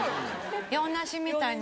洋梨みたいな。